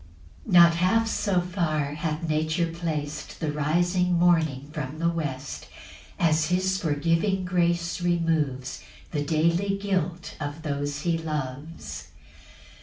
3 Not half so far hath nature plac'd The rising morning from the west, As his forgiving grace removes The daily guilt of those he loves.